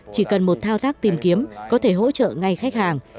chỉ cần một thao tác tìm kiếm có thể hỗ trợ ngay khách hàng